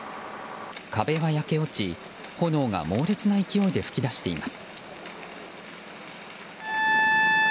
壁は焼け落ち、炎が猛烈な勢いで噴き出しています。